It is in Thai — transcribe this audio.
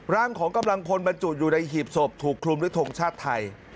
ร่างของกำลังพลบรรจุอยู่ในหีบศพถูกคลุมด้วยทงชาติไทย